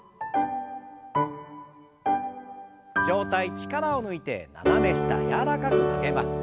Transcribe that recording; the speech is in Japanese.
上体力を抜いて斜め下柔らかく曲げます。